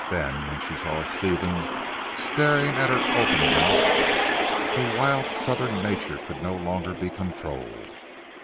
Then, when she saw Stephen staring at her open mouthed, her wild southern nature could no longer be controlled.